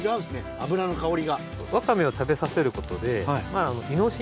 脂の香りが。